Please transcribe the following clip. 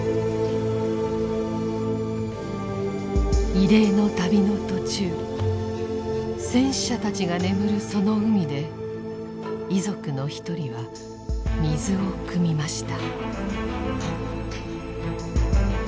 慰霊の旅の途中戦死者たちが眠るその海で遺族の一人は水をくみました。